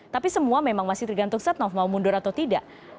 tapi semua memang masih tergantung setnov mau mundur atau tidak